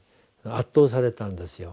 圧倒されたんですよ。